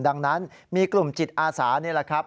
ดังนั้นมีกลุ่มจิตอาสานี่แหละครับ